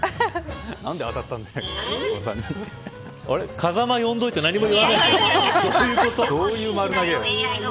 風間呼んどいて何も言わないの。